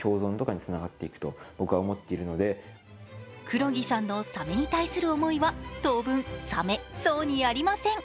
黒木さんのサメに対する思いは当分、サメそうにありません。